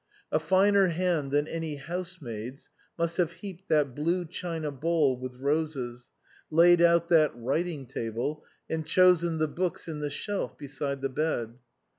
A finer hand than any housemaid's must have heaped that blue china bowl with roses, laid out that writing table, and chosen the books in the shelf beside the bed.